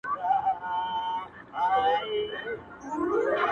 په دې ډول کيسه يو فلسفي او ژور انساني رنګ خپلوي